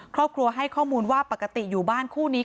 ครอบครัวให้ข้อมูลว่าปกติอยู่บ้านคู่นี้